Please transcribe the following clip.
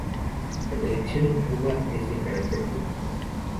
La Televisión en Cuba es de carácter público.